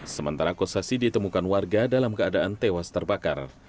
sementara kosasi ditemukan warga dalam keadaan tewas terbakar